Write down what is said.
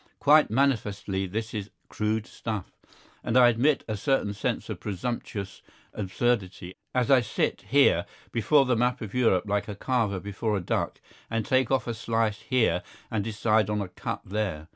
Quite manifestly this is crude stuff. And I admit a certain sense of presumptuous absurdity as I sit here before the map of Europe like a carver before a duck and take off a slice here and decide on a cut there.